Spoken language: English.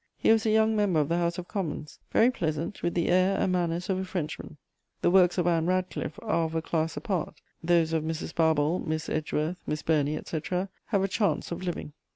He was a young member of the House of Commons, very pleasant, with the air and manners of a Frenchman. The works of Ann Radcliffe are of a class apart Those of Mrs. Barbauld, Miss Edgeworth, Miss Burney, etc., have a chance of living.